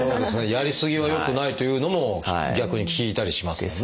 やり過ぎはよくないというのも逆に聞いたりしますもんね。